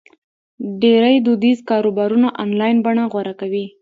ډېری دودیز کاروبارونه آنلاین بڼه غوره کوي.